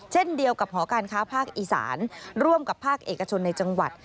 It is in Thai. เช่นเดียวกับหอการค้าภาคอีสานร่วมกับภาคเอกชนในจังหวัด